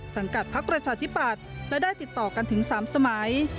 สังกัดพักประชาธิปัตย์และได้ติดต่อกันถึง๓สมัย